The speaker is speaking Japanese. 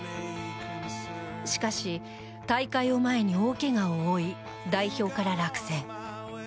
しかし、大会を前に大怪我を負い代表から落選。